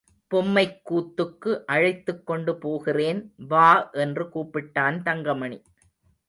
பொம்மைக்கூத்துக்கு அழைத்துக்கொண்டு போகிறேன், வா என்று கூப்பிட்டான் தங்கமணி.